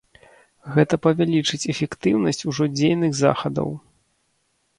Гэта павялічыць эфектыўнасць ужо дзейных захадаў.